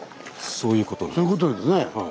そういうことなんです。